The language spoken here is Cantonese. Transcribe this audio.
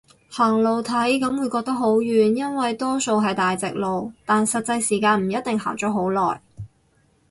行路體感會覺得好遠，因為多數係大直路，但實際時間唔一定行咗好耐